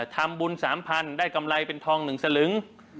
ทำบุญ๓๐๐๐ได้กำไรเป็นทอง๑สลึง